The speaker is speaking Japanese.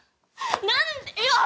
何でよっ！